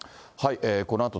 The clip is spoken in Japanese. このあと、